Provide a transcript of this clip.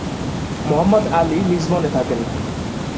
মোহাম্মদ আলী লিসবনে থাকেন।